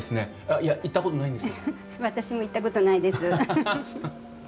私も行ったことないです。